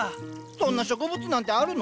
そんな植物なんてあるの？